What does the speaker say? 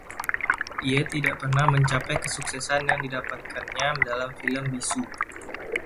Ia tidak pernah mencapai kesuksesan yang didapatkannya dalam film bisu.